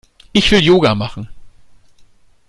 Ich will Yoga machen.